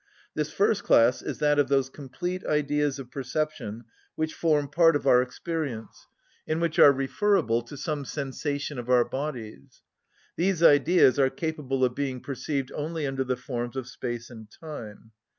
This first class is that of those complete ideas of perception which form part of our experience, and which are referable to some sensation of our bodies. These ideas are capable of being perceived only under the forms of Space and Time.